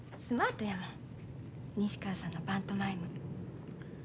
スマートやもん西川さんのパントマイム。